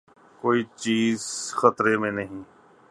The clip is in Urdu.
کوئی چیز خطرے میں نہیں۔